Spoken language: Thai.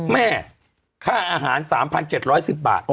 แม่ค่าอาหาร๓๗๑๐บาท